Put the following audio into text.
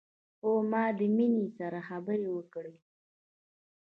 هو ما د مينې سره خبرې وکړې